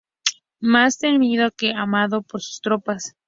Más temido que amado por sus tropas.